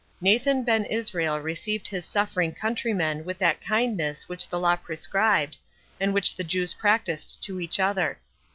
Nathan Ben Israel received his suffering countryman with that kindness which the law prescribed, and which the Jews practised to each other.